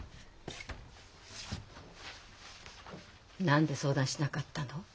何で相談しなかったの？